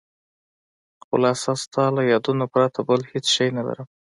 خلاصه ستا له یادونو پرته بل هېڅ شی نه لرم.